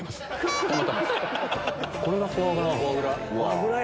これがフォアグラ。